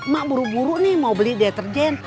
mak buru buru nih mau beli deterjen